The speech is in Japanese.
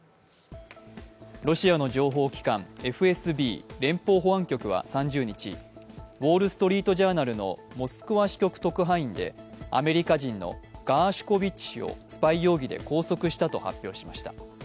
ロシアの情報機関ＦＳＢ＝連邦保安局は３０日「ウォール・ストリート・ジャーナル」のモスクワ支局特派員でアメリカ人のガーシュコビッチ氏をスパイ容疑で拘束したと発表しました。